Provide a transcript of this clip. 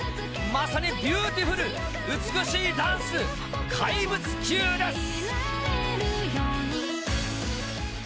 まさにビューティフル美しいダンス怪物級です！